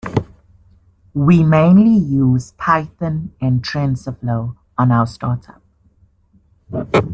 We mainly use Python and Tensorflow on our startup.